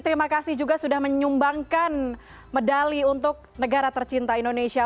terima kasih juga sudah menyumbangkan medali untuk negara tercinta indonesia